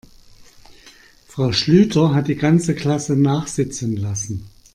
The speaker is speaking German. Frau Schlüter hat die ganze Klasse nachsitzen lassen.